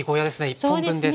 １本分です。